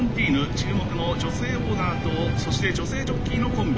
注目の女性オーナーとそして女性ジョッキーのコンビ。